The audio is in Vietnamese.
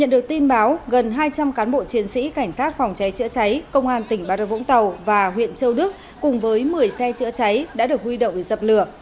được tin báo gần hai trăm linh cán bộ chiến sĩ cảnh sát phòng cháy chữa cháy công an tỉnh bà rập vũng tàu và huyện châu đức cùng với một mươi xe chữa cháy đã được huy động dập lửa